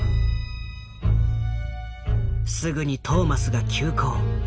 すぐにトーマスが急行。